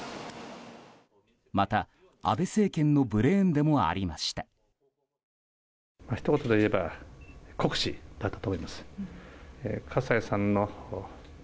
また、安倍政権のブレーンでもありました。